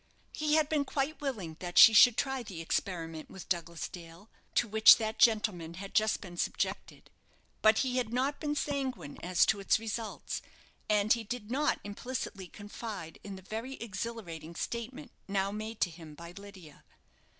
He had been quite willing that she should try the experiment upon Douglas Dale, to which that gentleman had just been subjected; but he had not been sanguine as to its results, and he did not implicitly confide in the very exhilarating statement now made to him by Lydia.